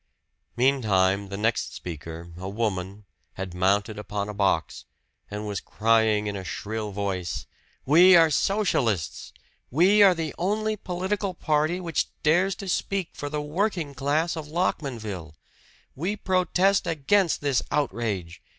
Meantime the next speaker, a woman, had mounted upon a box, and was crying in a shrill voice: "We are Socialists! We are the only political party which dares to speak for the working class of Lockmanville! We protest against this outrage!